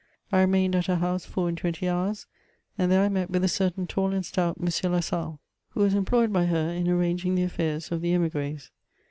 I remained at her house four and twenty hours, and there I met with a certain tall and stout M. Lassalle, who was employed by CHATEAUBMAOT). 451 her in arranging the affairs of the Smigres.